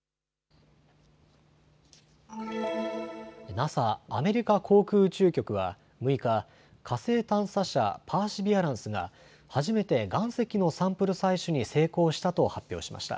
ＮＡＳＡ・アメリカ航空宇宙局は６日、火星探査車、パーシビアランスが初めて岩石のサンプル採取に成功したと発表しました。